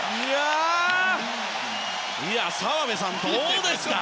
澤部さん、どうですか。